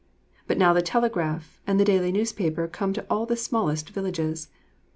But now the telegraph and the daily newspaper come to all the smallest villages.